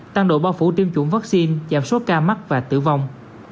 tăng độ bao phủ tiêm chủng vắc xin giảm số ca mắc và tử vong